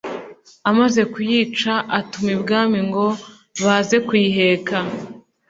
Amaze kuyica, atuma ibwami ngo baze kuyiheka